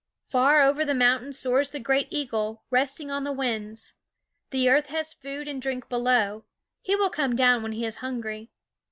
Far over the moun tain soars the great eagle, resting on the winds. The earth has food and drink below; he will come down when he is hungry.